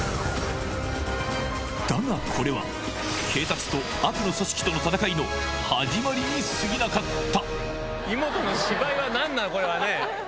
だがこれは警察と悪の組織との戦いの始まりに過ぎなかった